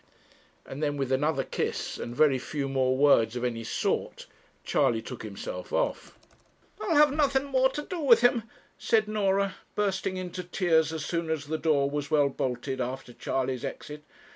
And then with another kiss, and very few more words of any sort, Charley took himself off. 'I'll have nothing more to do with him,' said Norah, bursting into tears, as soon as the door was well bolted after Charley's exit.